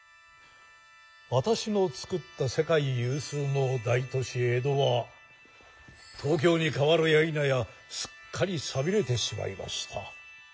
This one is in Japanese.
私の作った世界有数の大都市「江戸」は「東京」に変わるやいなやすっかり寂れてしまいました。